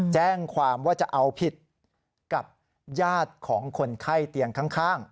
แจ้งความว่าจะเอาผิดกับญาติของคนไข้เตียงข้าง